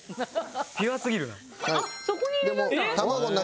ピュアすぎるな。